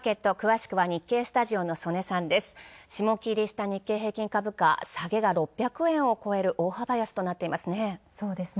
しもきり日経平均株価下げは６００円を超える大幅安となっていますね。